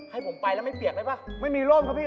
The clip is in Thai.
ให้ผมไปแล้วไม่เปียกได้ป่ะไม่มีร่มครับพี่